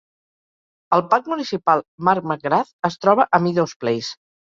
El parc municipal Mark McGrath es troba a Meadows Place.